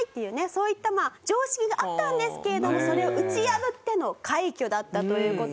そういった常識があったんですけれどもそれを打ち破っての快挙だったという事で。